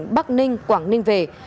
bắc ninh quảng ninh về